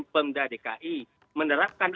pemda dki menerapkan